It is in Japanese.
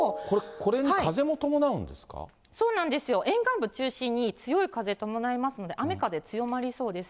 これ、そうなんですよ、沿岸部中心に、強い風伴いますので、雨風強まりそうです。